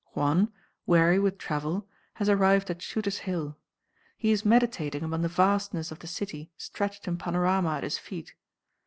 Juan, weary with travel, has arrived at Shooter's Hill. He is meditating upon the vastness of the city stretched in panorama at his feet.